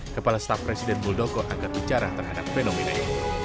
kepala staf presiden buldoko agak bicara terhadap fenomena ini